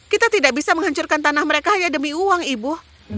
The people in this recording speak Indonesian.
kita tidak bisa menghancurkan tanah mereka hanya demi uang ibu